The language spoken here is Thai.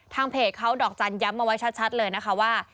ทางเพจเขาดอกจันย้ำมาไว้ชัดเลยนะคะว่า